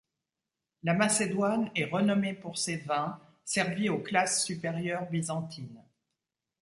La Macédoine est renommée pour ses vins, servis aux classes supérieures byzantines.